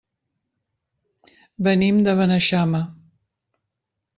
Venim de Beneixama.